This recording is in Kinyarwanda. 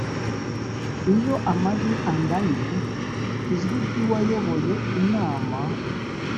iyo amajwi anganye ijwi ry uwayoboye inama